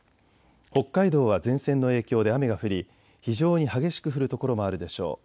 北海道は前線の影響で雨が降り非常に激しく降る所もあるでしょう。